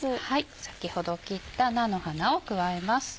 先ほど切った菜の花を加えます。